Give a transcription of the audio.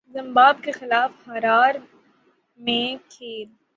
زمباب کے خلاف ہرار میں کھیل